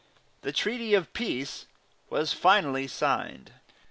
The treaty of peace was finally signed.